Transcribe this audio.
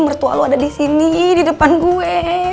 mertua lo ada disini di depan gue